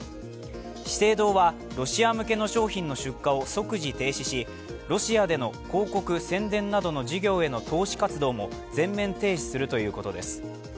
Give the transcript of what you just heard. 資生堂は、ロシア向けの商品の出荷を即時停止しロシアでの広告宣伝などの事業への投資活動も全面停止するということです。